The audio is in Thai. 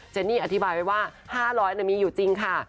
เนนี่อธิบายไว้ว่า๕๐๐มีอยู่จริงค่ะ